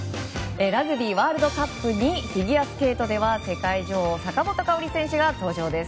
ラグビーワールドカップにフィギュアスケートでは世界女王坂本花織選手が登場です。